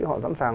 họ sẵn sàng